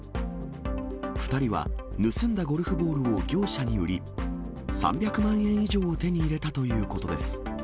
２人は盗んだゴルフボールを業者に売り、３００万円以上を手に入れたということです。